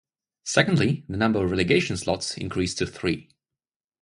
Secondly, the number of relegation slots increased to three.